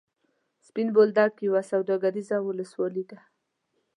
سپین بولدک یوه سوداګریزه ولسوالي ده.